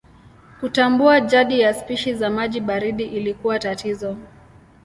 Kutambua jadi ya spishi za maji baridi ilikuwa tatizo.